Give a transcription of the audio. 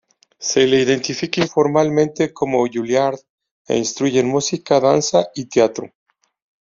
Se le identifica informalmente como Juilliard, e instruye en música, danza y teatro.